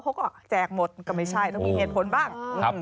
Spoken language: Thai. เขาก็แจกหมดก็ไม่ใช่ต้องมีเหตุผลบ้าง